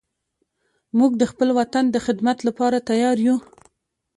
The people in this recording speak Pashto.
موږ د خپل وطن د خدمت لپاره تیار یو